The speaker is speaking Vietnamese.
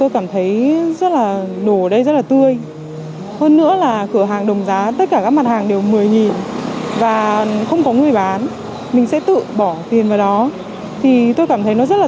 chị trần thị hương cũng đến đây mua các loại rau